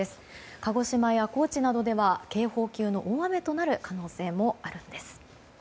鹿児島や高知などでは警報級の大雨になる可能性もあるんです。